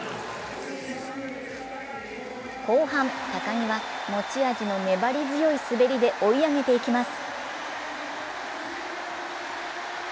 後半、高木は持ち味の粘り強い滑りで追い上げていきます。